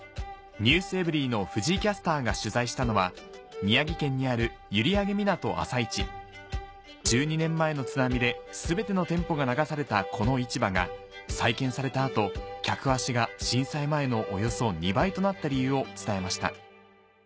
『ｎｅｗｓｅｖｅｒｙ．』の藤井キャスターが取材したのは宮城県にある１２年前の津波で全ての店舗が流されたこの市場が再建された後客足が震災前のおよそ２倍となった理由を伝えました